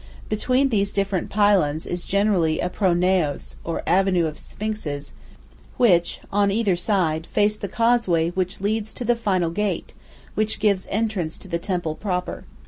Between these different pylons is generally a pro naos, or avenue of sphinxes, which, on either side, face the causeway which leads to the final gate which gives entrance to the temple proper.